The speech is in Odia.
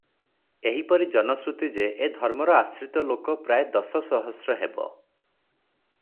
ଏହିପରି ଜନଶ୍ରୁତି ଯେ ଏ ଧର୍ମର ଆଶ୍ରିତ ଲୋକ ପ୍ରାୟ ଦଶ ସହସ୍ର ହେବ ।